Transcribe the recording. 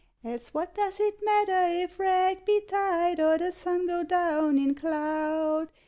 Else what does it matter if wreck betide; Or the sun go down in cloud?